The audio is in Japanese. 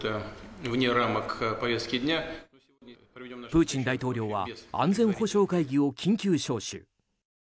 プーチン大統領は安全保障会議を緊急招集。